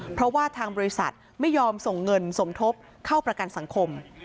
เพราะว่าทางบริษัทไม่ยอมส่งเงินสมทบเข้าประกันสังคม